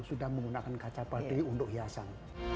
sudah menggunakan kaca padi untuk hiasan